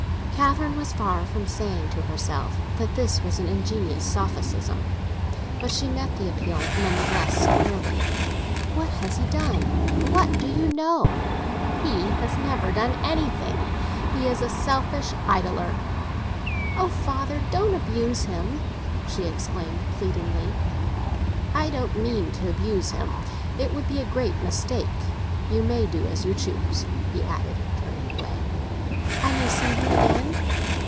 Catherine was far from saying to herself that this was an ingenious sophism; but she met the appeal none the less squarely. "What has he done—what do you know?" "He has never done anything—he is a selfish idler." "Oh, father, don't abuse him!" she exclaimed pleadingly. "I don't mean to abuse him; it would be a great mistake. You may do as you choose," he added, turning away. "I may see him again?"